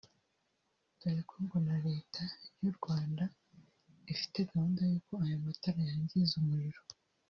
dore ko ngo na Leta y’u Rwanda ifite gahunda y’uko aya matara yangiza umuriro